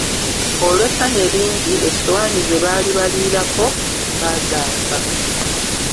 Olw'essanyu eringi essowaani ze baali baliirako bazaasa.